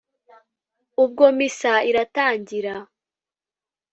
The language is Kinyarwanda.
ubwo misa iratangira,